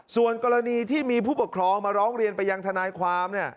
ส่วนกรณีที่มีผู้ปกครองมาร้องเรียนไปยังทนายความ